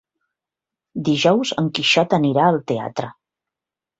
Dijous en Quixot anirà al teatre.